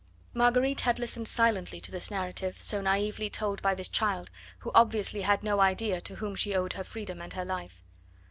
Marguerite had listened silently to this narrative so naively told by this child, who obviously had no idea to whom she owed her freedom and her life.